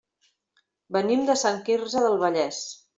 Venim de Sant Quirze del Vallès.